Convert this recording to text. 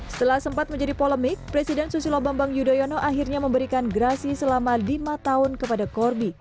setelah sempat menjadi polemik presiden susilo bambang yudhoyono akhirnya memberikan gerasi selama lima tahun kepada corby